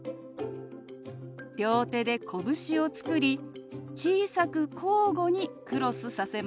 両手でこぶしを作り小さく交互にクロスさせます。